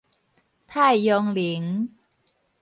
太陽能